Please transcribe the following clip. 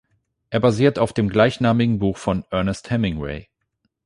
Er basiert auf dem gleichnamigen Buch von Ernest Hemingway.